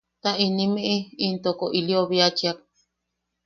Ta inimiʼi intoko ili obiachiak.